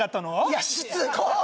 いやしつこっ！